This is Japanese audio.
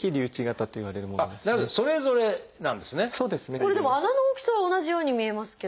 これでも穴の大きさは同じように見えますけども。